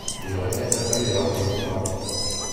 Je ne répéterai pas les arguments du rapporteur.